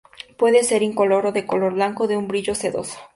Puede ser incoloro o de color blanco, de un brillo sedoso.